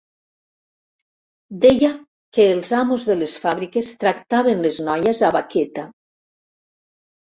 Deia que els amos de les fàbriques tractaven les noies a baqueta.